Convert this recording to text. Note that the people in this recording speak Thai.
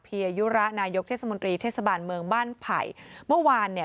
ยยุระนายกเทศมนตรีเทศบาลเมืองบ้านไผ่เมื่อวานเนี่ย